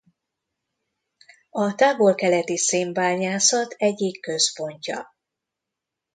A távol-keleti szénbányászat egyik központja.